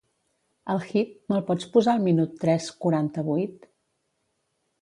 El hit, me'l pots posar al minut tres quaranta-vuit?